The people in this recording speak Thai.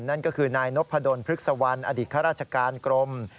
นั่นก็คือนายนพดลพฤกษวรรณอดีตข้าราชการกรม